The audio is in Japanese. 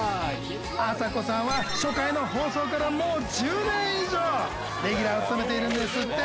あさこさんは初回の放送からもう１０年以上レギュラーを務めているんですって。